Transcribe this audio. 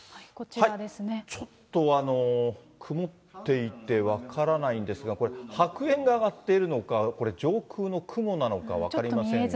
ちょっと曇っていて分からないんですが、これ白煙が上がっているのか、これ、上空の雲なのか分かりませんが。